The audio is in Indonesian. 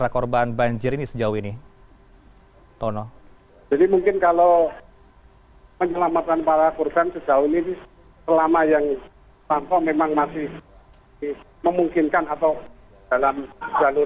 seperti yang saat ini mungkin sudah dilihat